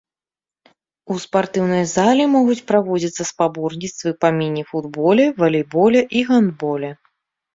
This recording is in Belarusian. У спартыўнай зале могуць праводзіцца спаборніцтвы па міні-футболе, валейболе і гандболе.